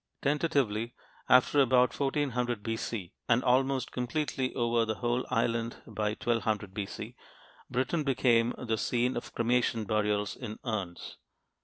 Tentatively, after about 1400 B.C. and almost completely over the whole island by 1200 B.C., Britain became the scene of cremation burials in urns.